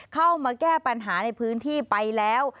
เข้ามาแก้ปัญหาในพื้นที่ไปแล้ว